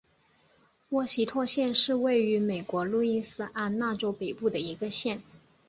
沃希托县是位于美国路易斯安那州北部的一个县。